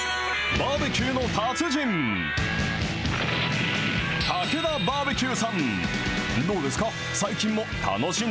バーベキューの達人、たけだバーベキューさん。